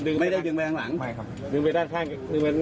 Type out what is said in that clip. ดึงไปข้างหน้าแกครับดึงมาแบบนี้ครับอ่าดึงมาแล้วก็